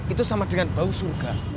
itu sama dengan bau surga